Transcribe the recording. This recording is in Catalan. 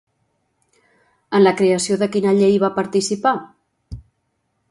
En la creació de quina llei va participar?